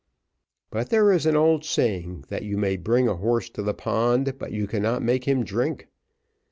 But there is an old saying, that you may bring a horse to the pond, but you cannot make him drink.